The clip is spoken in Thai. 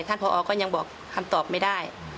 พอก็ยังบอกคำตอบไม่ได้